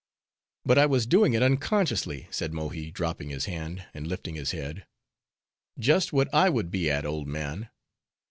"But I was doing it unconsciously," said Mohi, dropping his hand, and lifting his head. "Just what I would be at, old man.